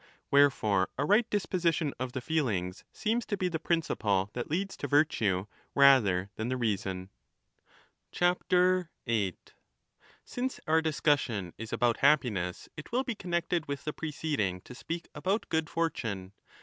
Wherefore a right disposition of the feelings seems to be the principle that leads to virtue rather than the reason. 30 Since our discussion is about happiness, it will be con 8 nected with the preceding to speak about good fortune.